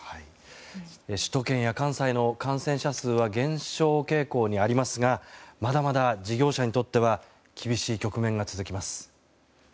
首都圏や関西の感染者数は減少傾向にありますがまだまだ事業者にとっては厳しい局面が続きます。